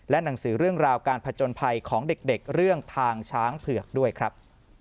หนังสือเรื่องราวการผจญภัยของเด็กเรื่องทางช้างเผือกด้วยครับ